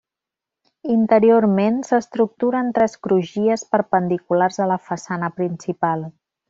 Interiorment s'estructura en tres crugies perpendiculars a la façana principal.